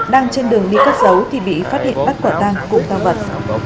đang trên đường bị cắt giấu thì bị phát hiện bắt quả tang cùng thang vật